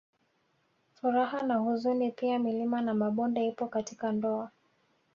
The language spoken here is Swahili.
Furaha na huzuni pia milima na mabonde ipo katika ndoa